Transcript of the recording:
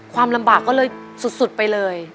ความลำบากก็เลยสุดไปเลย